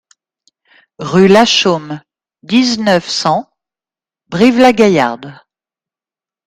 Rue Lachaume, dix-neuf, cent Brive-la-Gaillarde